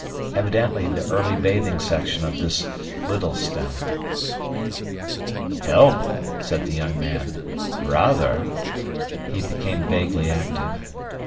Evidently the early bathing section of this Littlestone. "Help!" said the young man: "rather!" He became vaguely active.